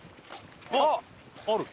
あっある。